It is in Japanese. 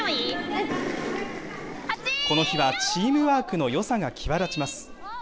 この日はチームワークのよさが際立ちます。